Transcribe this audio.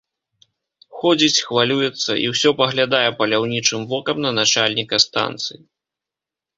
Ходзіць, хвалюецца і ўсё паглядае паляўнічым вокам на начальніка станцыі.